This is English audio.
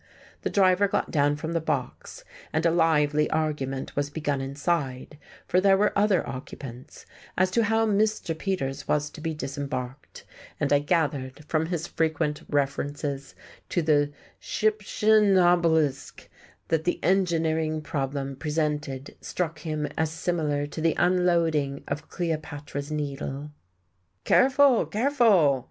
The driver got down from the box, and a lively argument was begun inside for there were other occupants as to how Mr. Peters was to be disembarked; and I gathered from his frequent references to the "Shgyptian obelisk" that the engineering problem presented struck him as similar to the unloading of Cleopatra's Needle. "Careful, careful!"